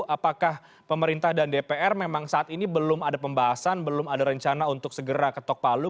apakah pemerintah dan dpr memang saat ini belum ada pembahasan belum ada rencana untuk segera ketok palu